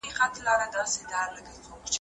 جوړه څنګه سي کېدلای د لارښود او ګمراهانو